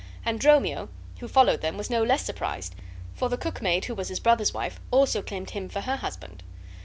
And Dromio, who followed them, was no less surprised, for the cook maid, who was his brother's wife, also claimed him for her husband.